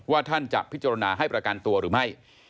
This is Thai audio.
ท่านจะพิจารณาให้ประกันตัวหรือไม่